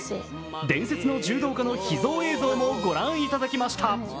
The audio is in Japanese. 伝説の柔道家の秘蔵映像もご覧いただきました